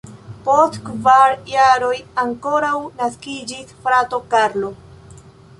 Post kvar jaroj ankoraŭ naskiĝis frato Karlo.